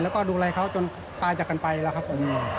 แล้วก็ดูแลเขาจนตายจากกันไปแล้วครับผม